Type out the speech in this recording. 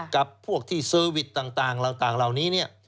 กับพวกที่เซอร์วิสต์ต่างราวนี้